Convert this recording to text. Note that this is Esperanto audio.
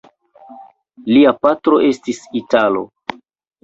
Lia patro estis italo.